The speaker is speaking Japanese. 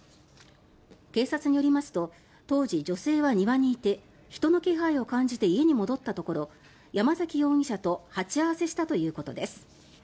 警察によりますと当時、女性は庭にいて人の気配を感じて家に戻ったところ山崎容疑者と鉢合わせしたということです。